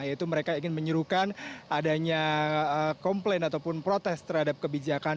yaitu mereka ingin menyuruhkan adanya komplain ataupun protes terhadap kebijakan